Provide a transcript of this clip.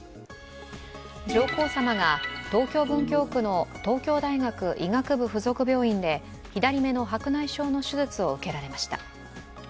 上皇さまが東京・文京区の東京大学医学部附属病院で左目の白内障の手術を受けられました。